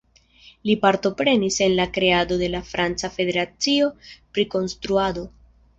Li partoprenis en la kreado de la franca Federacio pri Konstruado.